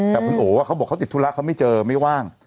แต่คุณโอเขาบอกเขาติดธุระเขาไม่เจอไม่ว่าง